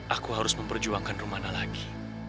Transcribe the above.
aku harus memperjuangkan rumahnya lagi